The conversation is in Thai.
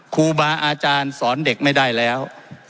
ครูบาอาจารย์สอนเด็กไม่ได้แล้ว